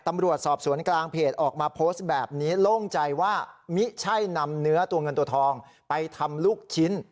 ตำรวจสอบสวนกลางเพจออกมาโพสต์แบบนี้โล่งใจว่ามิใช่นำเนื้อตัวเงินตัวทองไปทำลูกชิ้น